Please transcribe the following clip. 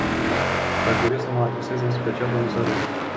Aș dori să mă adresez în special comisarului.